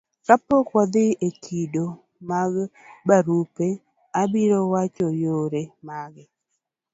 kapok wadhi e kido mag barupe, abiro wacho yore mag